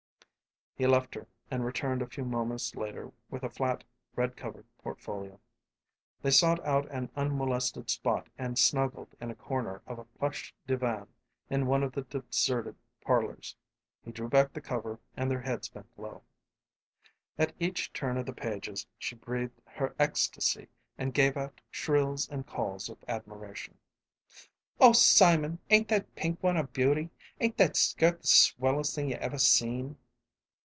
He left her and returned a few moments later with a flat, red covered portfolio. They sought out an unmolested spot and snuggled in a corner of a plush divan in one of the deserted parlors. He drew back the cover and their heads bent low. At each turn of the pages she breathed her ecstasy and gave out shrills and calls of admiration. "Oh, Simon, ain't that pink one a beauty! Ain't that skirt the swellest thing you ever seen!"